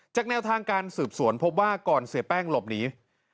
แนวทางการสืบสวนพบว่าก่อนเสียแป้งหลบหนี